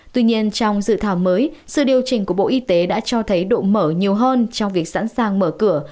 tuy nhiên trong dự thảo mới sự điều chỉnh của bộ y tế đã cho thấy độ mở nhiều hơn trong việc sẵn sàng mở cửa